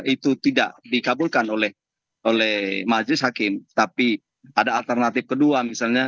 itu tidak dikabulkan oleh majelis hakim tapi ada alternatif kedua misalnya